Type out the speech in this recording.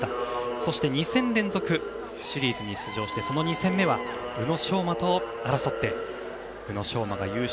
そして２戦連続シリーズに出場してその２戦目は宇野昌磨と争って宇野昌磨が優勝。